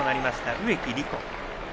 植木理子。